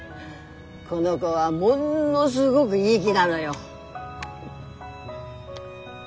この子はもんのすごぐいい木なのよ。